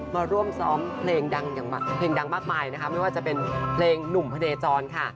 มาร่วมซ้อมเพลงดังมากไม่ว่าจะเป็นเพลงหนุ่มพระเนจรค่ะ